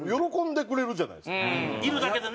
いるだけでね。